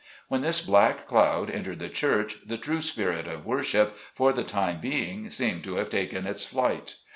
When this black cloud entered the church the true spirit of worship, for the time being, seemed to have taken its flight.